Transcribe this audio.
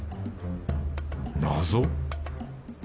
謎？